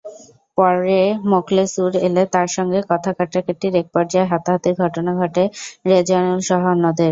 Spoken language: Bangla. পরে মখলেছুর এলে তাঁর সঙ্গে কথা-কাটাকাটির একপর্যায়ে হাতাহাতির ঘটনা ঘটে রেজোয়ানুলসহ অন্যদের।